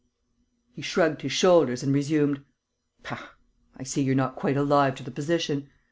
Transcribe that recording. He shrugged his shoulders and resumed: "Pah, I see you're not quite alive to the position.